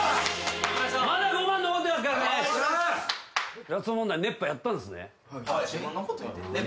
まだ５万残ってますからね。